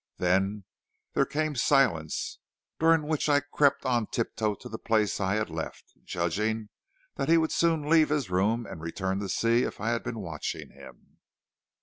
Then there came silence, during which I crept on tiptoe to the place I had left, judging that he would soon leave his room and return to see if I had been watching him.